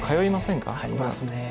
ありますね。